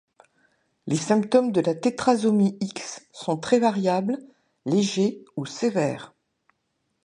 Les symptômes de la tétrasomie X sont très variables, légers ou sévères.